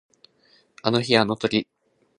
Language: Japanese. あの日あの時